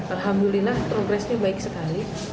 alhamdulillah progresnya baik sekali